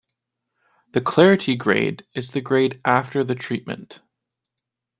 The clarity grade is the grade after the treatment.